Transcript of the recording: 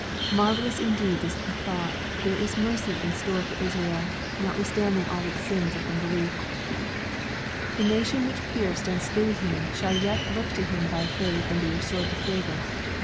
Marvellous indeed is the thought that there is mercy in store for Israel, notwithstanding all its sins and unbelief I The 458 EXPOSITORY THOUGHTS. nation which pierced and slew Him, shall yet look tt Him b}' fa th and be restored to favor.